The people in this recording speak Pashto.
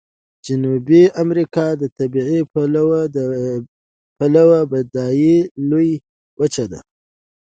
جنوبي امریکا د طبیعي پلوه بډایه لویه وچه ده.